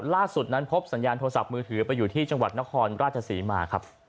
ล่าสุดนั้นพบสัญญาณโทรศัพท์มือถือไปอยู่ที่จังหวัดนครราชศรีมาครับ